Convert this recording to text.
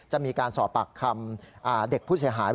จะมีการสอบปากคำเด็กผู้เสียหาย